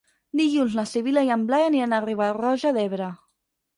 Dilluns na Sibil·la i en Blai aniran a Riba-roja d'Ebre.